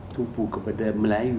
tumpu kepada melayu